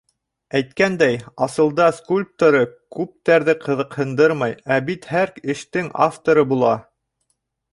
Әйткәндәй, асылда скульпторы күптәрҙе ҡыҙыҡһындырмай, ә бит һәр эштең авторы була.